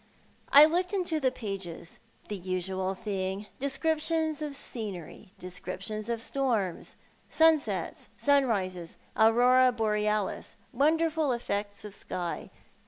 I looked into the pages. The usual thing! Descriptions of scenery, descriptions of storms, sunsets, sunrises, aurora borealis, wonderful effects of sky.